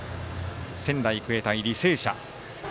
仙台育英対履正社。